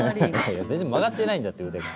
全然曲がってないんだって腕が。